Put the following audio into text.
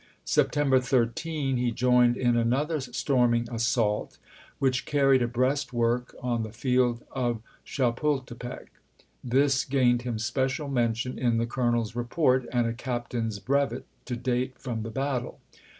September 13 he joined in another storming assault which carried a breastwork on the field of Chapultepec; this gained him special mention in the colonel's report, and a captain's brevet to date from the battle.